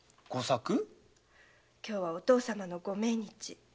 今日はお義父さまのご命日。